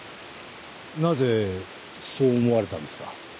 なぜそう思われたんですか？